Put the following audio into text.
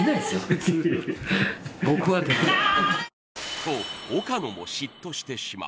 と岡野も嫉妬してしまう。